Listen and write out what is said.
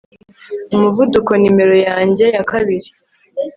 Umuvuduko numero yanjye ya kabiri